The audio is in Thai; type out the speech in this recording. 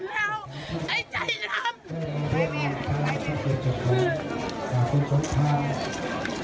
เธออยากให้กันช่วยยัดที่น้องเธอจะช่วยหมดแล้วไอ้ใจรัม